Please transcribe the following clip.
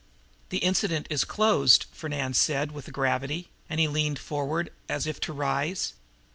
"The incident is closed," Fernand said with gravity, and he leaned forward, as if to rise.